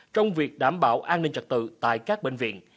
trong việc đảm bảo an ninh trật tự tại các bệnh viện